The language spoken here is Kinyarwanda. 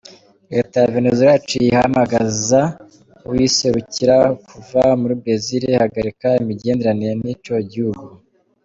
Leta ya Venezuela yaciye ihamagaza uwuyiserukira kuva muri Brezil, ihagarika imigenderanire n'ico gihugu.